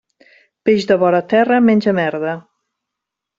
Peix de vora terra menja merda.